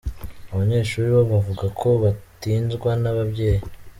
Abanyeshuri bo bavuga ko batinzwa n’ababyeyi.